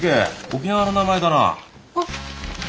沖縄の名前だな。ははい！